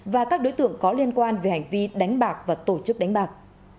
và các đối tượng có liên quan về hành vi đánh bạc và tổ chức đánh bạc